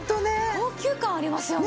高級感ありますよね。